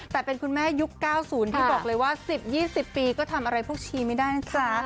แต่เป็นคุณแม่ยุค๙๐ที่บอกเลยว่า๑๐๒๐ปีก็ทำอะไรพวกชีไม่ได้นะจ๊ะ